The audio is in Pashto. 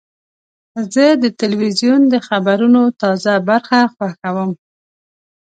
زه د تلویزیون د خبرونو تازه برخه خوښوم.